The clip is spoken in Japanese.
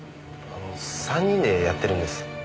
あの３人でやってるんです。